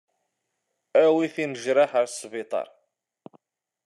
Awyet imejraḥ s asbiṭar.